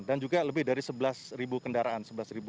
dan juga lebih dari sebelas kendaraan sebelas satu ratus empat puluh